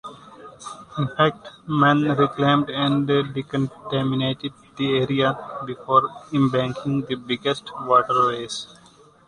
In fact, men reclaimed and decontaminated the area before embanking the biggest waterways.